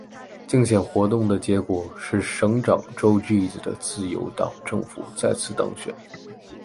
竞选活动的结果是省长 Joe Ghiz 的自由党政府再次当选。